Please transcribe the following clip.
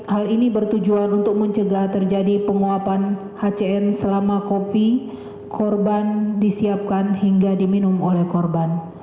hal ini bertujuan untuk mencegah terjadi penguapan hcn selama kopi korban disiapkan hingga diminum oleh korban